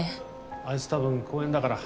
あいつ多分公園だから。